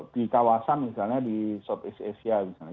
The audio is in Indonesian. di kawasan misalnya di southeast asia misalnya